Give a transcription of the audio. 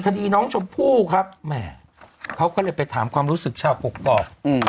คดีน้องชมพู่ครับแหมเขาก็เลยไปถามความรู้สึกชาวกกอก